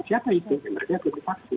siapa itu yang mereka gunakan vaksin